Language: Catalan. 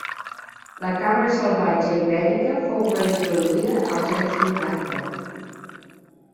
La cabra salvatge ibèrica fou reintroduïda als anys vuitanta.